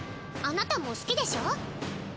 あなたも好きでしょ？